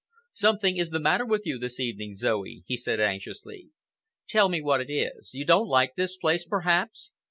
"Something is the matter with you this evening, Zoe," he said anxiously. "Tell me what it is. You don't like this place, perhaps?"